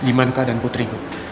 bu gimana keadaan putri